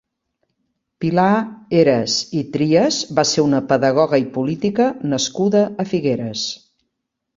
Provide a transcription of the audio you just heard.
Pilar Heras i Trias va ser una pedagoga i política nascuda a Figueres.